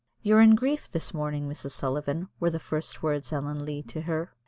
"You're in grief this morning, Mrs. Sullivan," were the first words of Ellen Leah to her.